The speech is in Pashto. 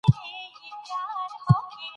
ژوندپوهنه د طبیعي سرچینو د ضایع کيدو مخه نیسي.